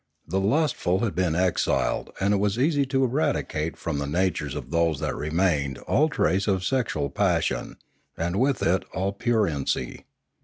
The lustful had been exiled and it was easy to eradicate from the natures of those that remained all trace of sexual passion, and with it all pruriency.